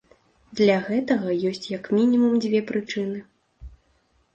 Для гэтага ёсць як мінімум дзве прычыны.